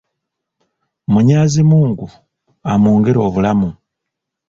Munyaazimungu amwongere obulamu.